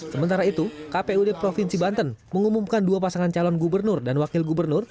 sementara itu kpud provinsi banten mengumumkan dua pasangan calon gubernur dan wakil gubernur